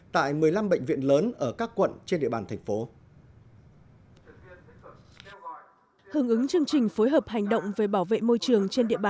tại một mươi năm bệnh viện lớn ở các quận trên địa bàn